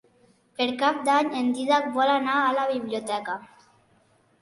Per Cap d'Any en Dídac vol anar a la biblioteca.